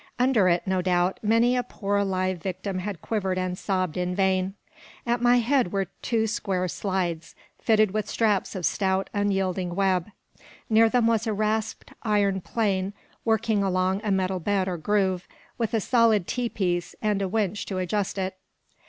Under it, no doubt, many a poor live victim had quivered and sobbed in vain. At my head were two square slides, fitted with straps of stout unyielding web. Near them was a rasped iron plane working along a metal bed or groove, with a solid T piece, and a winch to adjust it.